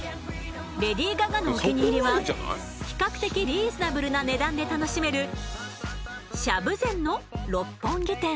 レディー・ガガのお気に入りは比較的リーズナブルな値段で楽しめる「しゃぶ禅」の六本木店。